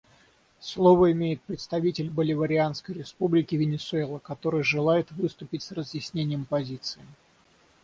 Слово имеет представитель Боливарианской Республики Венесуэла, который желает выступить с разъяснением позиции.